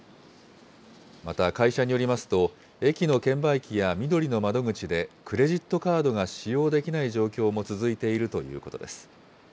また会社によりますと、駅の券売機やみどりの窓口で、クレジットカードが使用できない状況も続いているということです。